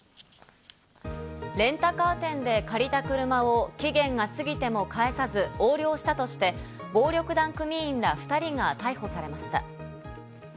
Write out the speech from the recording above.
レンタカー店で借りた車を期限が過ぎても返さず、横領したとして、暴力団組員ら２人が逮捕されました。